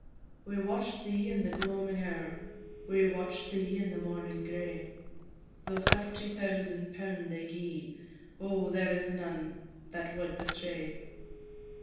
We watch'd thee in the gloamin' hour, We watch'd thee in the mornin' gray; Though thirty thousand pound they gi'e, Oh, there is none that wad betray!